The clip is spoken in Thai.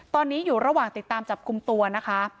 ตอนนี้อยู่ระหว่างติดตามจับกลุ่มตัวนะคะ